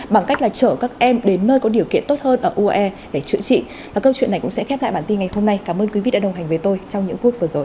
bằng cách là chở các em đến nơi có điều kiện tốt hơn ở uae để chữa trị và câu chuyện này cũng sẽ khép lại bản tin ngày hôm nay cảm ơn quý vị đã đồng hành với tôi trong những phút vừa rồi